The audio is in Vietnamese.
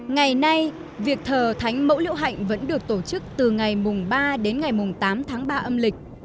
ngày nay việc thờ thánh mẫu liễu hạnh vẫn được tổ chức từ ngày ba đến ngày tám tháng ba âm lịch